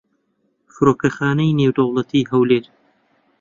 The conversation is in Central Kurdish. فڕۆکەخانەی نێودەوڵەتیی هەولێر